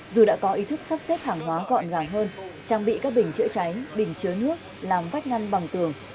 dù đã có ý thức sắp xếp hàng hóa gọn gàng hơn trang bị các bình chữa cháy bình chứa nước làm vách ngăn bằng tường